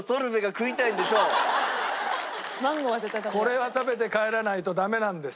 これは食べて帰らないとダメなんです。